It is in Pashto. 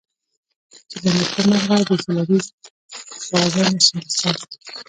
چې له نیکه مرغه د سولري څاګانو د ثبت.